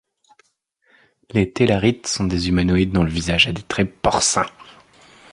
Les Tellarites sont des humanoïdes dont le visage a des traits porcins.